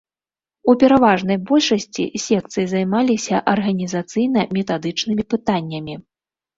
У пераважнай большасці секцыі займаліся арганізацыйна-метадычнымі пытаннямі.